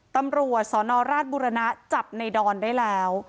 ตำรวจสนราชบุรณะจับในดอนได้แล้ว